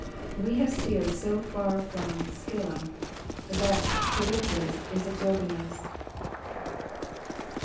We have steered so far from Scylla that Charybdis is absorbing us.